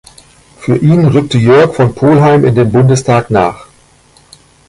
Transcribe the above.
Für ihn rückte Jörg von Polheim in den Bundestag nach.